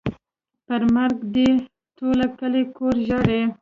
پر مرګ دې ټوله کلي کور ژاړي.